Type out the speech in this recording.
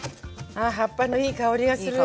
あ葉っぱのいい香りがする。